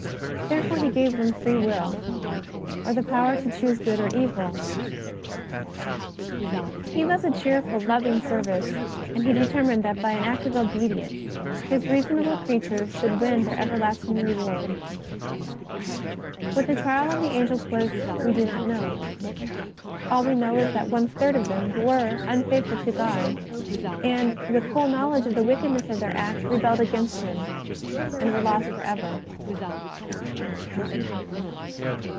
Therefore He gave them free will, or the power 24 JESUS OF NAZAKETH. to choose good or evil. He loves a cheerful, loving service, and He determined that by an act of obedience His reasonable creatures should win their everlasting reward. ^Vhat the trial of the Angels was we do not know. All we know is that one third of them were unfaithful to God, and, with full knowledge of the wickedness of their act, rebelled against Him and were lost forever.